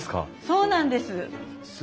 そうなんです。